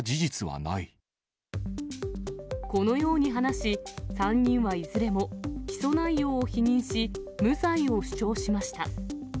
このように話し、３人はいずれも起訴内容を否認し、無罪を主張しました。